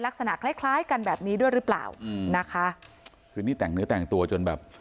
ลักษณะคล้ายคล้ายกันแบบนี้ด้วยหรือเปล่าอืมนะคะคือนี่แต่งเนื้อแต่งตัวจนแบบ